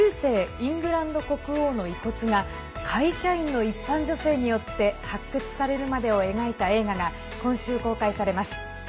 イングランド国王の遺骨が会社員の一般女性によって発掘されるまでを描いた映画が今週、公開されます。